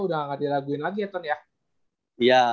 udah gak dilaguin lagi eton ya